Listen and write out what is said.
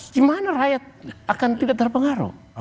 gimana rakyat akan tidak terpengaruh